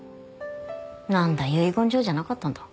なんだ遺言状じゃなかったんだ。